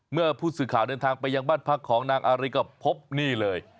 เมื่อผู้สื่อข่าวเดินทางไปยังบ้านพักของนางอาริก็พบนี่เลย